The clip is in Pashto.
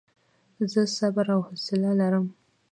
زه صبر او حوصله لرم.